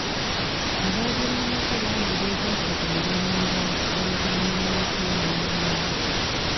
Abaazirwanako bangi beegasse ku mirimu emirala oluvannyuma lw'okuwummula amagye.